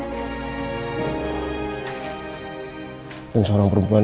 deket sama seorang perempuan